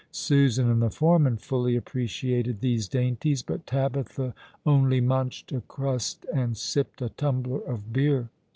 Susan and the foreman fully appreciated these dainties; but Tabitha only munched a crust and sipped a tumbler of beer.